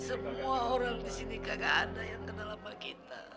semua orang di sini kagak ada yang kenal apa kita